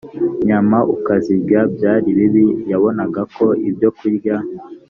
nyama ukazirya byari bibi yabonaga ko ibyokurya